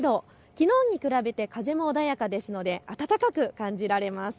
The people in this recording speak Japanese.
きのうに比べて風も穏やかですので暖かく感じられます。